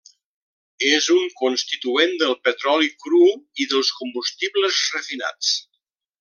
És un constituent del petroli cru i dels combustibles refinats.